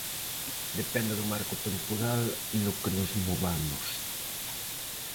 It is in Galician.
Depende do marco temporal no que nos movamos.